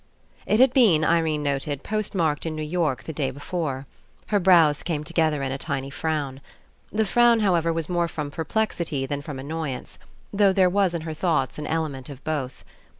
It had been, Irene noted, postmarked in New York the day before. Her brows came to gether in a tiny frown. The frown, however, was more from perplexity than from annoy ance; though there was in her thoughts an ele ment of both.